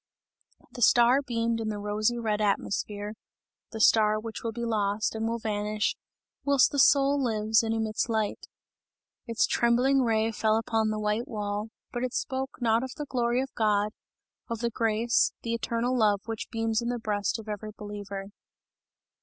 The star beamed in the rosy red atmosphere, the star which will be lost and will vanish, whilst the soul lives and emits light. Its trembling ray fell upon the white wall, but it spoke not of the glory of God, of the grace, the eternal love which beams in the breast of every believer.